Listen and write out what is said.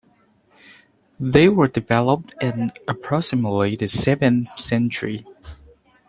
They were developed in approximately the seventh century.